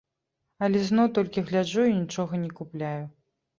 Але зноў толькі гляджу і нічога не купляю.